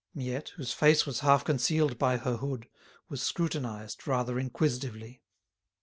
Miette, whose face was half concealed by her hood, was scrutinised rather inquisitively.